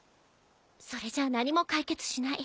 それじゃ何も解決しない。